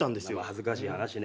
恥ずかしい話ね。